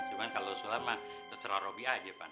cuma kalau soalnya ma terserah robby aja pan